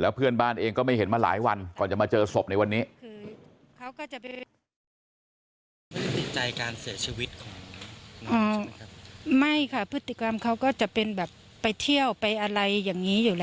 แล้วเพื่อนบ้านเองก็ไม่เห็นมาหลายวันก่อนจะมาเจอศพในวันนี้